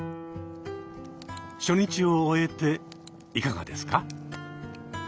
初日を終えていかがですか？